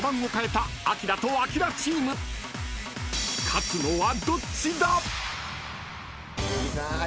［勝つのはどっちだ！？］